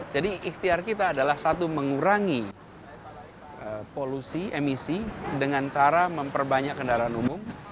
jadi ikhtiar kita adalah satu mengurangi polusi emisi dengan cara memperbanyak kendaraan umum